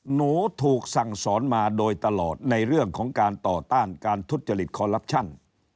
หนูถูกสั่งสอนมาโดยตลอดในเรื่องของการต่อต้านการทุจริตคอลลับชั่น